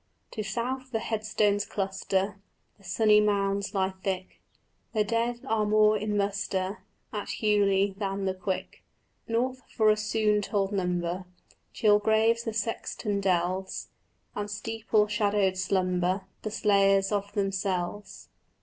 To south the headstones cluster, The sunny mounds lie thick; The dead are more in muster At Hughley than the quick. North, for a soon told number, Chill graves the sexton delves, And steeple shadowed slumber The slayers of themselves.